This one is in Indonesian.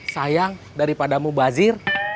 sayang daripadamu bazir